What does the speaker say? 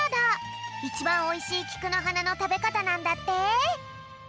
いちばんおいしいきくのはなのたべかたなんだって。